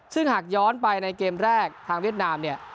ซึ่งหากย้อนไปในเกมแรกทางเวียดนามเนี่ย